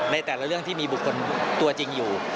ในแต่ละเรื่องที่มีบุคคลตัวจริงอยู่